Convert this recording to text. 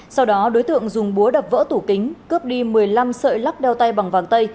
sau đó đối tượng dùng búa đập vỡ tủ kính cướp đi một mươi năm sợi lắc đeo tay bằng vàng tây